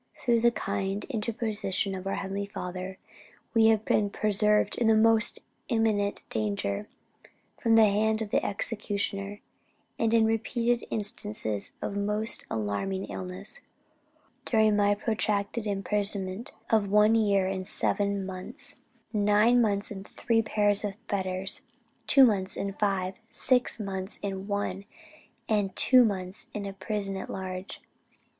"Through the kind interposition of our Heavenly Father, we have been preserved in the most imminent danger, from the hand of the executioner, and in repeated instances of most alarming illness, during my protracted imprisonment of one year and seven months, nine months in three pairs of fetters, two months in five, six months in one, and two months a prisoner at large....